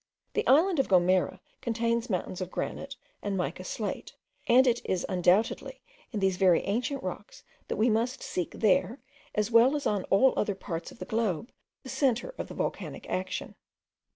The island of Gomera contains mountains of granite and mica slate; and it is, undoubtedly, in these very ancient rocks, that we must seek there, as well as on all other parts of the globe, the centre of the volcanic action.